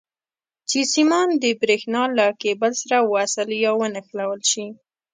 چې سیمان د برېښنا له کیبل سره وصل یا ونښلول شي.